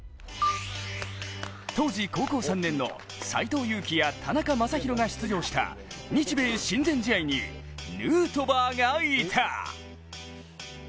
当時高校３年の斎藤佑樹や田中将大が出場した日米親善試合にヌートバーがいた！